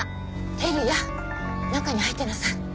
輝也中に入ってなさい。